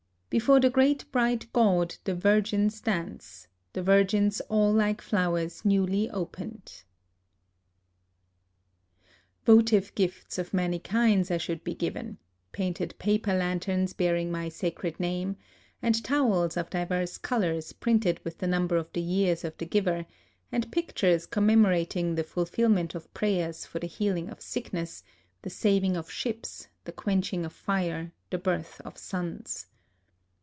" Before the great bright God the virgins dance, — the virgins all like flowers newly opened.'''' ... Votive gifts of many kinds I should be given : painted paper lanterns bearing my sacred name, and towels of divers colors printed with the number of the years of the giver, and pictures commemorating the fulfill ment of prayers for the healing of sickness, the saving of ships, the quenching of fire, the birth of sons.